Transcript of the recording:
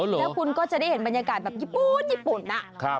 แล้วคุณก็จะได้เห็นบรรยากาศแบบญี่ปุ่นญี่ปุ่นนะ